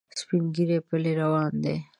سپین ږیری پلی روان دی.